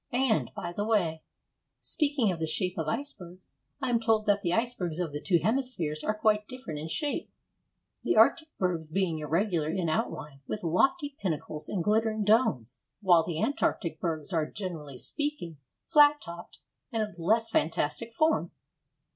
And, by the way, speaking of the shape of icebergs, I am told that the icebergs of the two hemispheres are quite different in shape, the Arctic bergs being irregular in outline, with lofty pinnacles and glittering domes, while the Antarctic bergs are, generally speaking, flat topped, and of less fantastic form.